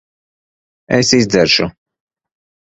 Es izdzeršu.